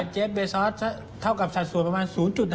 เจฟเบซอสเท่ากับสัดส่วนประมาณ๐๕